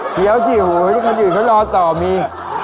เขียวจริงอีกเขารอต่อมี